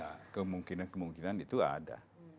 karena kemungkinan kemungkinan itu ada